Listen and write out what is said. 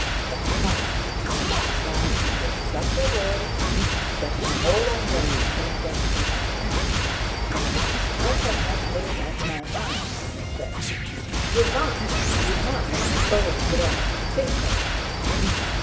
"The house," she replied, in such a voice that he no longer pretended ignorance. "I've not made up my mind," he said. "You must! You must! Oh! Gran—think of me!"